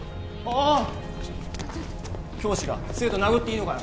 ああちょっと教師が生徒殴っていいのかよ